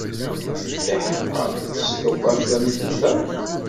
Iḥeqqa, testufad tameddit-a?